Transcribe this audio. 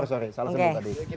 sorry salah sebut tadi